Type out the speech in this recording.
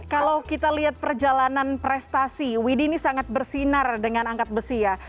kalau kita lihat perjalanan prestasi widhi ini sangat bersinar dengan angkat besi ya